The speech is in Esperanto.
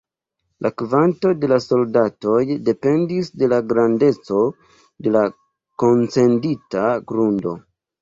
La kvanto de soldatoj dependis de la grandeco de la koncedita grundo.